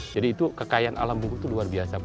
jadi itu kekayaan alam bungkulu itu luar biasa